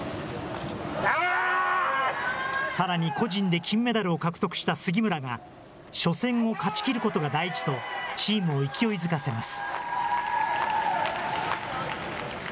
さらに個人で金メダルを獲得した杉村が、初戦を勝ちきることが大事と、チームを勢いづかせます。